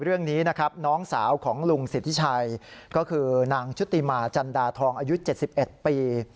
เรื่องนี้นะครับน้องสาวของลุงสิทธิชัยก็คือนางชุติมาจันดาทองอายุ๗๑ปี